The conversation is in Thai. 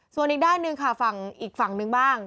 ส่วนอีกด้านหนึ่งค่ะฝั่งอีกฝั่งนึงบ้าง